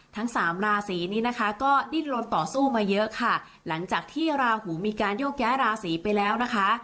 ทั้งสามราศีนี้นะคะก็ดิ้นลนต่อสู้มาเยอะค่ะหลังจากที่ราหูมีการโยกย้ายราศีไปแล้วนะคะ